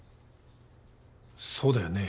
そうだよね。